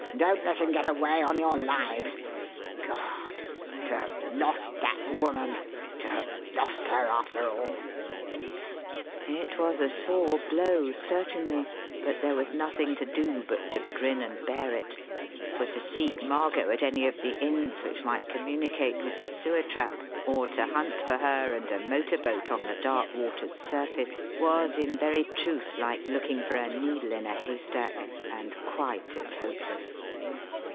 don't let him get away on your lives! God! to have lost that woman! to have lost her after all!" It was a sore blow, certainly, but there was nothing to do but to grin and bear it; for to seek Margot at any of the inns which might communicate with the sewer trap, or to hunt for her and a motor boat on the dark water's surface, was in very truth like looking for a needle in a haystack, and quite as hopeless.